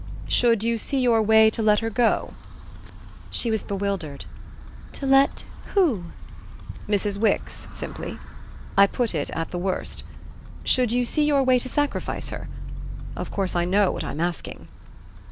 "Should you see your way to let her go?" She was bewildered. "To let who ?" "Mrs. Wix simply. I put it at the worst. Should you see your way to sacrifice her? Of course I know what I'm asking."